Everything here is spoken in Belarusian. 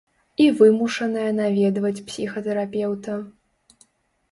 І вымушаная наведваць псіхатэрапеўта.